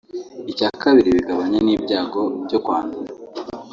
icya kabiri bigabanya n’ibyago byo kwandura